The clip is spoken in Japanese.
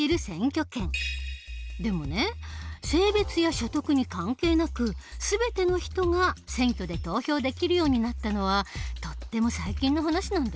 でもね性別や所得に関係なく全ての人が選挙で投票できるようになったのはとっても最近の話なんだよ。